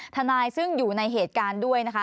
ทนายซึ่งอยู่ในเหตุการณ์ด้วยนะคะ